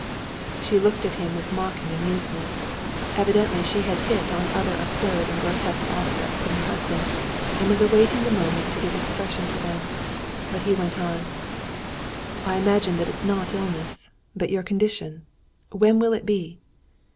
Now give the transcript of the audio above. She looked at him with mocking amusement. Evidently she had hit on other absurd and grotesque aspects in her husband and was awaiting the moment to give expression to them. But he went on: "I imagine that it's not illness, but your condition. When will it be?"